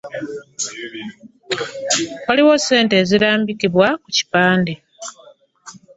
Waliwo ssente ezirambikibwa ku kipande.